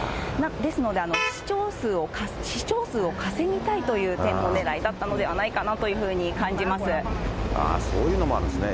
ですので、視聴数を稼ぎたいという点もねらいだったのではないかなというふそういうのもあるんですね。